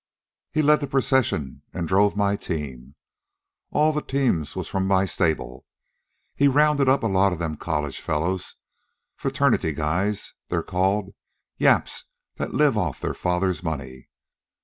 "He led the procession, an' he drove my team. All the teams was from my stable. He rounded up a lot of them college fellows fraternity guys, they're called yaps that live off their fathers' money.